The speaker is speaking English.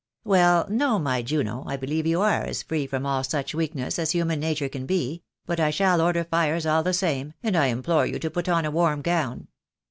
"Well, no, my Juno, I believe you are as free from all such weakness as human nature can be; but I shall order fires all the same, and I implore you to put on a warm gown."